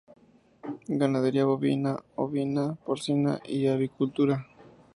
Ganadería bovina, ovina, porcina y avicultura.